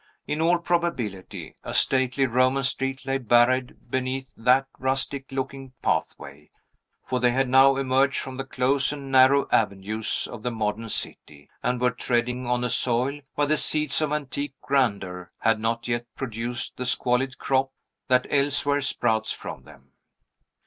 In all probability, a stately Roman street lay buried beneath that rustic looking pathway; for they had now emerged from the close and narrow avenues of the modern city, and were treading on a soil where the seeds of antique grandeur had not yet produced the squalid crop that elsewhere sprouts from them.